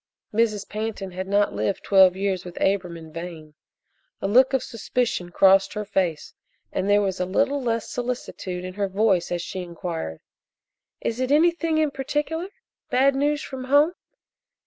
Mrs. Pantin had not lived twelve years with Abram in vain. A look of suspicion crossed her face, and there was a little less solicitude in her voice as she inquired: "Is it anything in particular? Bad news from home?"